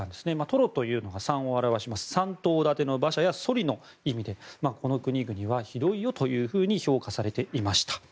トロというのが、３を表して３頭だての馬車やそりの意味でこの国々はひどいよと評価されていました。